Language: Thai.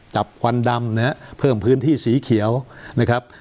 ควันดำนะฮะเพิ่มพื้นที่สีเขียวนะครับ